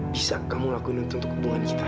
bisa kamu lakuin untuk hubungan kita